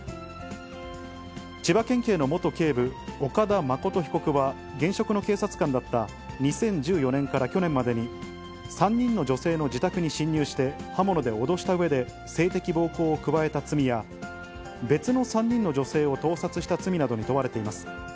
千葉県警の元警部、岡田誠被告は、現職の警察官だった２０１４年から去年までに、３人の女性の自宅に侵入して、刃物で脅したうえで、性的暴行を加えた罪や、別の３人の女性を盗撮した罪などに問われています。